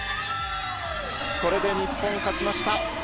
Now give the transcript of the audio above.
これで日本、勝ちました。